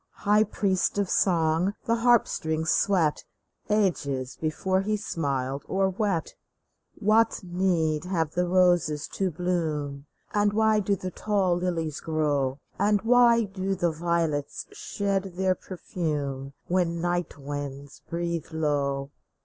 High priests of song the harp strings swept Ages before he smiled or wept I " What need have the roses to bloom ? And why do the tall lilies grow ? And why do the violets shed their perfume When night winds breathe low